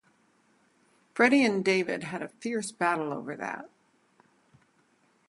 Freddie and David had a fierce battle over that.